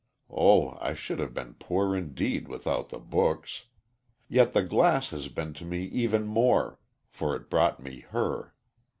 Oh, I should have been poor indeed without the books! Yet the glass has been to me even more, for it brought me her.